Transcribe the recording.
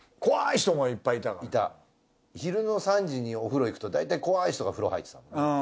昼の３時にお風呂行くとだいたい怖い人が風呂入ってたもんな。